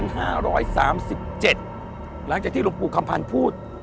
หลังจากที่หลวงปู่คำพันธ์พูด